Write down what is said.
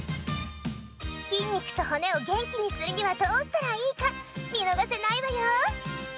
筋肉と骨をげんきにするにはどうしたらいいかみのがせないわよ！